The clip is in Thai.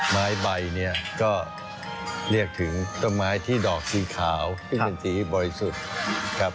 ใบเนี่ยก็เรียกถึงต้นไม้ที่ดอกสีขาวที่เป็นสีบริสุทธิ์ครับ